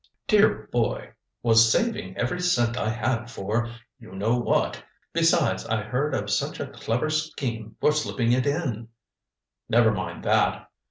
"Dear boy! Was saving every cent I had for you know what. Besides, I heard of such a clever scheme for slipping it in " "Never mind that!